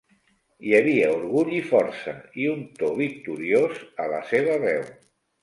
Hi havia orgull i força, i un to victoriós a la seva veu.